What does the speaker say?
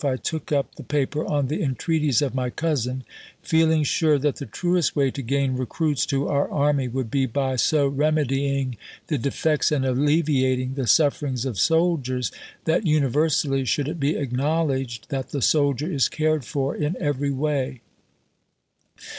I took up the paper on the entreaties of my cousin, feeling sure that the truest way to gain recruits to our army would be by so remedying the defects and alleviating the sufferings of soldiers that universally should it be acknowledged that the soldier is cared for in every way.